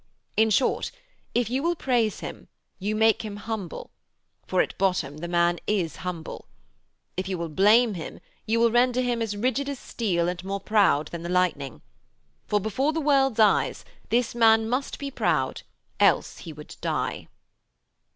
In short, if you will praise him you make him humble, for at bottom the man is humble; if you will blame him you will render him rigid as steel and more proud than the lightning. For, before the world's eyes, this man must be proud, else he would die.'